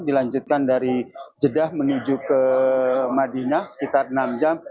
dilanjutkan dari jeddah menuju ke madinah sekitar enam jam